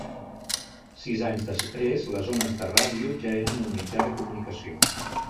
Sis anys després, les ones de ràdio ja eren un mitjà de comunicació.